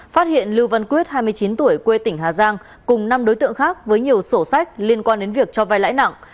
phát hiện lưu văn quyết hai mươi chín tuổi quê tỉnh hà giang cùng năm đối tượng khác với nhiều sổ sách liên quan đến việc cho vai lãi nặng